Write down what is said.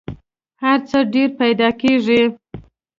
هر څه ډېر پیدا کېږي .